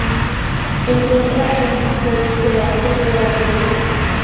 Se encuentra en sudeste de Asia y Nueva Guinea.